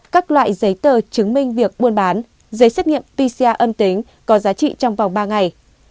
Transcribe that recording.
các loại giấy tờ chứng minh việc buôn bán giấy xét nghiệm pcr âm tính có giá trị trong vòng ba ngày